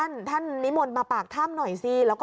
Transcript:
อะท่านนิม่นมาปากธ่ำหน่อยซิ